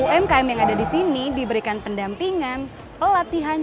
umkm yang ada di sini diberikan pendampingan pelatihan